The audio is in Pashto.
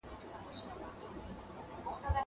زه به د کتابتون پاکوالی کړی وي!